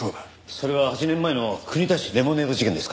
それは８年前の国立レモネード事件ですか？